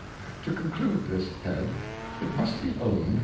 To conclude this Head, it must be own'd.